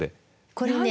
これね。